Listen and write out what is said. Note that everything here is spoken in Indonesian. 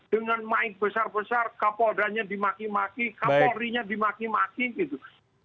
dengan main besar besar kapoldanya dimaki maki kapolrinya dimaki maki gitu